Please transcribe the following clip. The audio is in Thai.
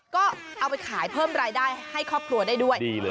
ก็เอาไปขายเพิ่มรายได้ให้ครอบครัวได้ด้วยดีเลย